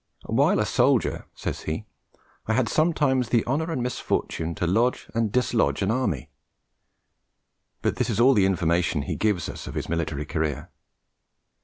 "While a soldier," says he, "I had sometimes the honour and misfortune to lodge and dislodge an army;" but this is all the information he gives us of his military career.